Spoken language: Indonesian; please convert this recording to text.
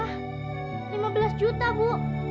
wah lima belas juta bu